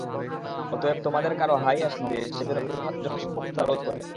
অতএব, তোমাদের কারো হাই আসলে, সে যেন যথাসম্ভব তা রোধ করে।